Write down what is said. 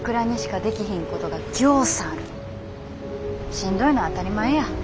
しんどいのは当たり前や。